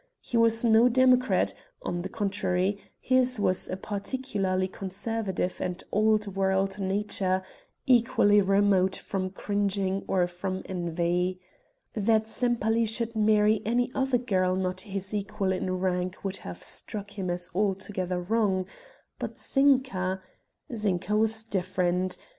He was no democrat; on the contrary, his was a particularly conservative and old world nature, equally remote from cringing or from envy. That Sempaly should marry any other girl not his equal in rank would have struck him as altogether wrong, but Zinka Zinka was different.